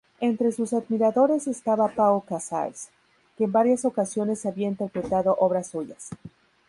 Entre sus admiradores estaba Pau Casals, que en varias ocasiones había interpretado obras suyas.